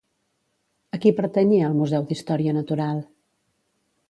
A qui pertanyia el Museu d'Història Natural?